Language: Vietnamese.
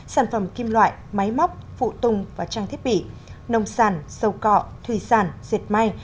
sản phẩm kim loại máy móc phụ tung và trang thiết bị nông sản dầu cọ thủy sản diệt may